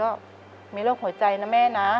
ขอเอ็กซาเรย์แล้วก็เจาะไข่ที่สันหลังค่ะ